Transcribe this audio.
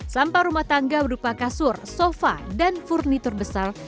sampah rumah tangga berupa kasur sofa dan furnitur besar